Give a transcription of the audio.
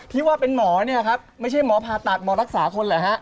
ที่ว่าเป็นหมอเนี่ยครับไม่ใช่หมอผ่าตัดหมอรักษาคนเหรอฮะ